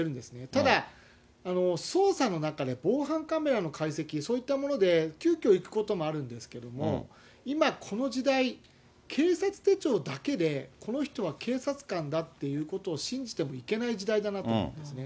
ただ、捜査の中で防犯カメラの解析、そういったもので急きょ行くこともあるんですけど、今、この時代、警察手帳だけで、この人は警察官だということを信じてもいけない時代だと思うんですよね。